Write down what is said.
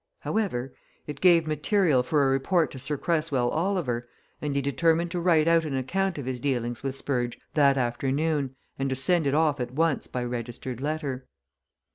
However, it gave material for a report to Sir Cresswell Oliver, and he determined to write out an account of his dealings with Spurge that afternoon, and to send it off at once by registered letter.